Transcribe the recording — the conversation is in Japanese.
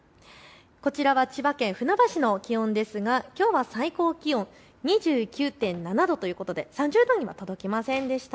こちらは千葉県船橋の気温ですがきょうは最高気温２９．７度ということで３０度には届きませんでした。